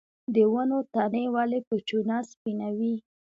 د ونو تنې ولې په چونه سپینوي؟